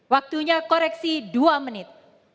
waktunya koreksi dua menit